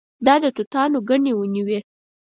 دا د توتانو ګڼې ونې وې.